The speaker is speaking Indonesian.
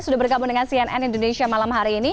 sudah bergabung dengan cnn indonesia malam hari ini